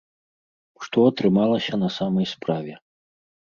Што атрымалася на самай справе?